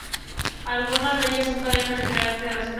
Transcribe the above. Algunas de ellas son cadenas de carácter nacional.